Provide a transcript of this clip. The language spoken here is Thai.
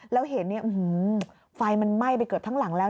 แล้วเห็นไฟมันไหม้ไปเกือบทั้งหลังแล้ว